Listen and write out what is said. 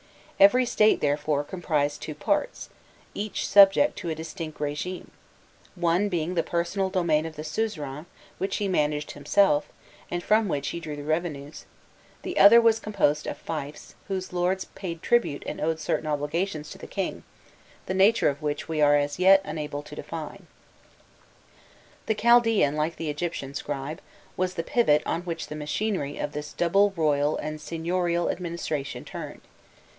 Every state, therefore, comprised two parts, each subject to a distinct regime: one being the personal domain of the suzerain, which he managed himself, and from which he drew the revenues; the other was composed of fiefs, whose lords paid tribute and owed certain obligations to the king, the nature of which we are as yet unable to define. The Chaldaean, like the Egyptian scribe, was the pivot on which the machinery of this double royal and seignorial administration turned.